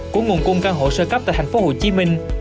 của nguồn cung căn hộ sơ cấp tại thành phố hồ chí minh